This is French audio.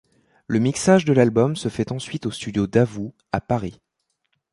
Le mixage de l'album se fait ensuite au studio Davout, à Paris.